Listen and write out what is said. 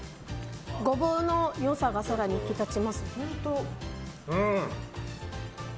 ゴボウの良さが更に引き立ちます。